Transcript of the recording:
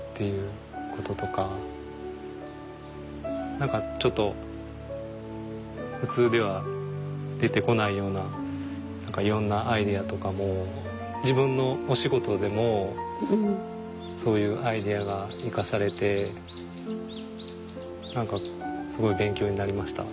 何かちょっと普通では出てこないようないろんなアイデアとかも自分のお仕事でもそういうアイデアが生かされて何かすごい勉強になりました。